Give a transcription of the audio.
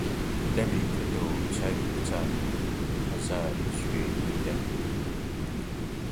دەمی کردوە و چاوی قوچاند، هەزار جنێوی دا: